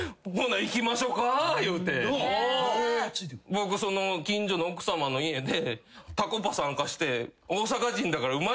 僕その近所の奥さまの家でタコパ参加して。